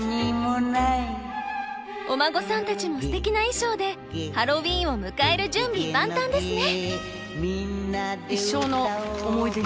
お孫さんたちもすてきな衣装でハロウィーンを迎える準備万端ですね。